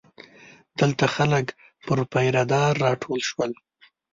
دلته خلک پر پیره دار راټول شول.